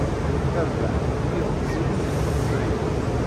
Tarbaεt n Yilemẓiyen n Leqbayel.